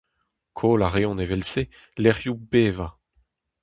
Koll a reont evel-se lec'hioù bevañ.